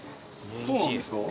そうなんですか？